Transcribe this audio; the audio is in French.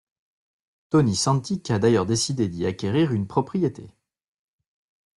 Tony Santic a d'ailleurs décidé d'y acquérir une propriété.